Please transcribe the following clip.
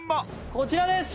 こちらです！